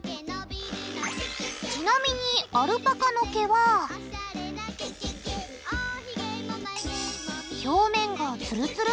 ちなみにアルパカの毛は表面がツルツル。